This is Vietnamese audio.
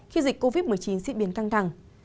khi dịch covid một mươi chín diễn biến căng thẳng